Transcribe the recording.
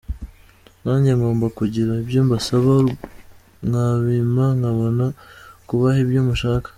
nanjye ngomba kugira ibyo mbasaba, mwabimpa nkabona kubaha ibyo mushaka.